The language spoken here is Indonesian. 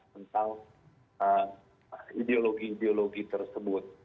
tentang ideologi ideologi tersebut